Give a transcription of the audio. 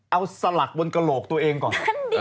เอาสลักบนกระโหลกตัวเองก่อน